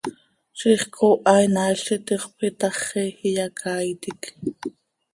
Ziix cooha inaail z itixöp itaxi, iyacaaitic.